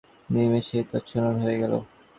একটি সাজানো গোছানো পরিবার নিমেষেই তছনছ হয়ে গেল।